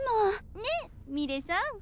ねっミレさん。